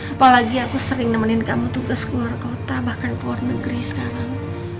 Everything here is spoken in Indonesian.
apalagi aku sering nemenin kamu tugas keluar kota bahkan keluar negeri sekarang